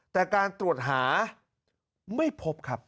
แต่การตรวจหาไม่พบครับ